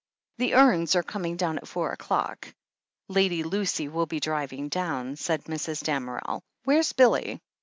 "The urns are coming down at four o'clock. Lady Lucy will be driving down," said Mrs. Damerel. "Where's Billy?"